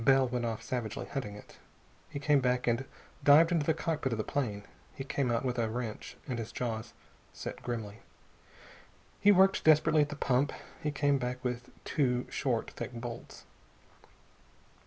Bell went off savagely, hunting it. He came back and dived into the cockpit of the plane. He came out with a wrench, and his jaws set grimly. He worked desperately at the pump. He came back with two short, thick bolts.